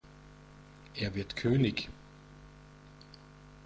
Er wird König.